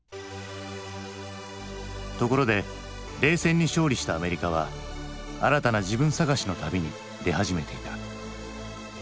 ところで冷戦に勝利したアメリカは新たな自分探しの旅に出始めていた。